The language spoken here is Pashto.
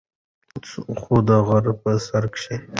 خو د غرۀ پۀ سر کښې